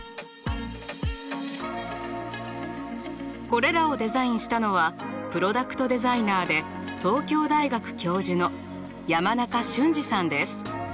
これらをデザインしたのはプロダクトデザイナーで東京大学教授の山中俊治さんです。